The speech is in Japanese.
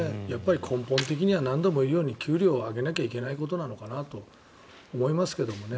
根本的には何度も言うように給料を上げなきゃいけないことなのかなと思いますけどね。